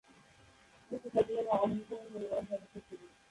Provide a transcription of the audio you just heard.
তিনি খ্যাতনামা আল-হুসাইনি পরিবারের সদস্য ছিলেন।